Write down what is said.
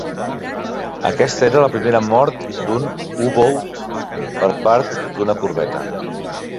Aquesta era la primera mort d'un U-Boot per part d'una corbeta.